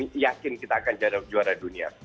janganlah kita berpikir pikir kita akan jadi juara dunia